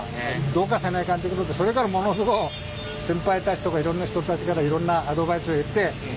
どうかせないかんということでそれからものすごう先輩たちとかいろんな人たちからいろんなアドバイスを得て勉強しましたよ。